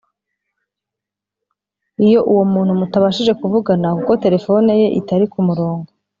iyo uwo muntu mutabashije kuvugana kuko terefoni ye itari ku murongo